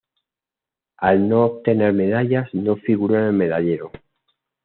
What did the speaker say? Al no obtener medallas no figuró en el medallero.